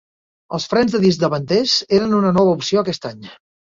Els frens de disc davanters eren una nova opció aquest any.